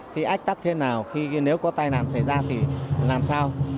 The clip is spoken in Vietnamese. thì ách tắc thế nào nếu có tai nạn xảy ra thì làm sao